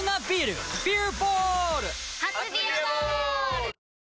初「ビアボール」！